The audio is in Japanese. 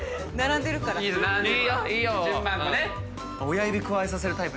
親指くわえさせるタイプ。